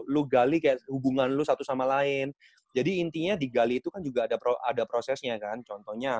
lu gali kayak hubungan lu satu sama lain jadi intinya digali itu kan juga ada prosesnya kan contohnya